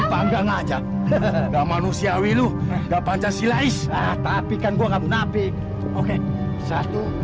tapi kan gua ngapain oke satu dua tiga